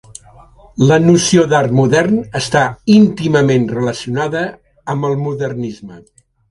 La noció d'art modern està íntimament relacionada amb el modernisme.